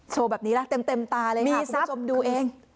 โชว์แบบนี้แหละเต็มตาเลยค่ะคุณผู้ชมดูเอง